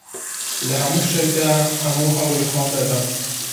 لە هەموو شتێکدا هەموو هەوڵی خۆم دەدەم.